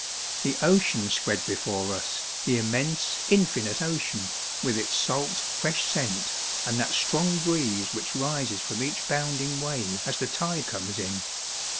The ocean spread be fore us, the immense, infinite ocean, with its salt, fresh scent, and that strong breeze which rises from each bounding wave as the tide comes in.